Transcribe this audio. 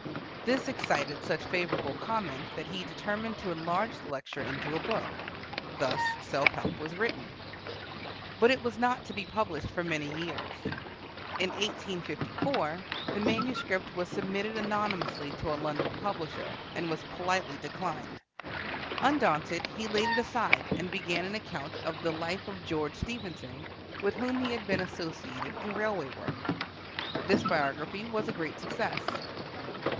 This excited such favorable comment that he determined to enlarge the lecture into a book. Thus "Self Help" was written. But it was not to be published for many years. In 1854 the manuscript was submitted anonymously to a London publisher, and was politely declined. Undaunted, he laid it aside and began an account of the life of George Stephenson, with whom he had been associated in railway work. This biography was a great success.